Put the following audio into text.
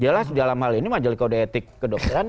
jelas dalam hal ini majelis kode etik kedokteran